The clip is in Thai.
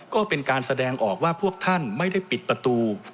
ก็เป็นการแสดงออกว่าพวกท่านไม่ได้ปิดประตู